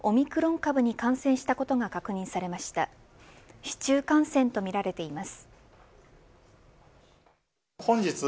市中感染とみられています。